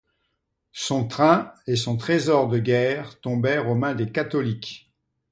Son train et son trésor de guerre tombèrent aux mains des catholiques.